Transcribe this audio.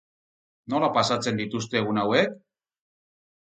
Nola pasatzen dituzte egun hauek?